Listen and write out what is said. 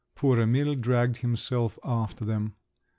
Poor Emil dragged himself after them.